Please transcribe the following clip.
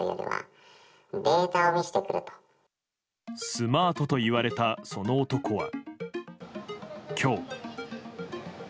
スマートといわれたその男は今日。